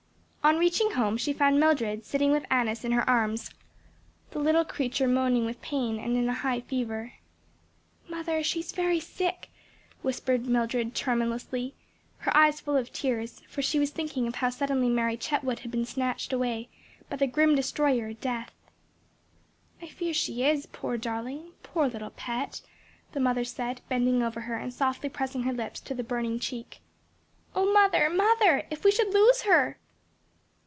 On reaching home she found Mildred sitting with Annis in her arms, the little creature moaning with pain and in a high fever. "Mother, she is very sick," whispered Mildred tremulously, her eyes full of tears; for she was thinking of how suddenly Mary Chetwood had been snatched away by the grim destroyer Death. "I fear she is, poor darling! poor little pet!" the mother said, bending over her and softly pressing her lips to the burning cheek. "O mother, mother, if we should lose her!"